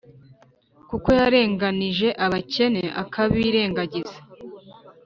kuko yarenganije abakene akabirengagiza,